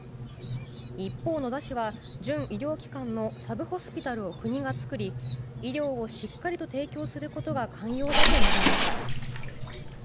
一方、野田氏は準医療機関のサブホスピタルを国が作り医療をしっかりと提供することが肝要だと述べました。